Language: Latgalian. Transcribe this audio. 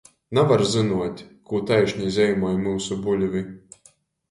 Navar zynuot, kū taišni zeimoj myusu buļvi...